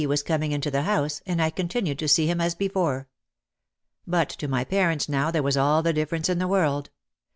was coming into the house and I con tinued to see him as before. But to my parents now there was all the difference in the world.